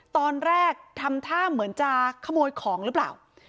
ตอนแรกทำท่าเหมือนจะขโมยของหรือเปล่า